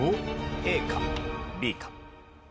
ＡかＢか。